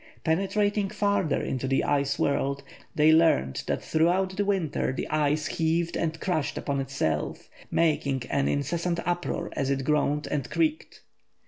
Penetrating farther into the ice world, they learned that throughout the winter the ice heaved and crashed upon itself, making an incessant uproar as it groaned and creaked.